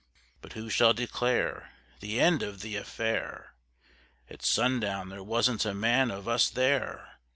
... But who shall declare The End of the Affair? At Sundown there wasn't a Man of us there!